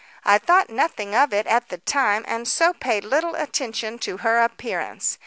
I thought nothing of it at the time, and so paid little attention to her appearance.